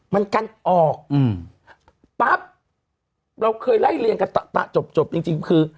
มันกันออกอืมปั๊บเราเคยไล่เรียงกันตะจบจริงจริงคือ